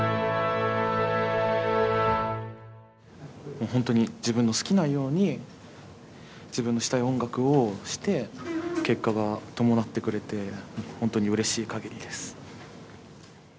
もうほんとに自分の好きなように自分のしたい音楽をして結果が伴ってくれてほんとにうれしいかぎりです。